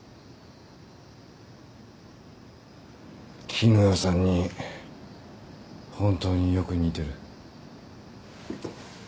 絹代さんに本当によく似てる。